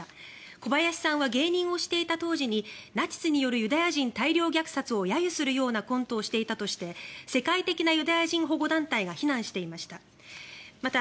小林さんは芸人をしていた当時にナチスによるユダヤ人大量虐殺を揶揄するようなコントをしていたとして世界的なユダヤ人保護団体が非難していました。